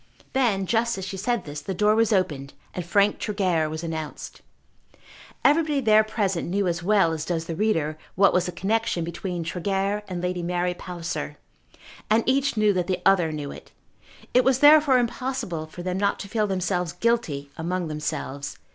Then just as she said this the door was opened and Frank Tregear was announced. Everybody there present knew as well as does the reader, what was the connexion between Tregear and Lady Mary Palliser. And each knew that the other knew it. It was therefore impossible for them not to feel themselves guilty among themselves.